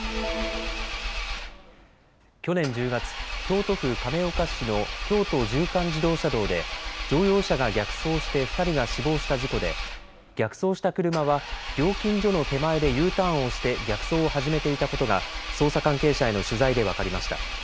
去年１０月、京都府亀岡市の京都縦貫自動車道で乗用車が逆走して２人が死亡した事故で逆走した車は料金所の手前でＵターンをして逆走を始めていたことが捜査関係者への取材で分かりました。